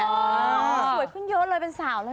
สวยขึ้นเยอะเลยเป็นสาวเลย